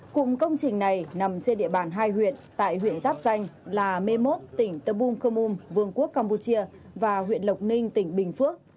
cụng công trình này nằm trên địa bàn hai huyện tại huyện giáp danh là mê mốt tỉnh tâm bùm khơ mùm vương quốc campuchia và huyện lộc ninh tỉnh bình phước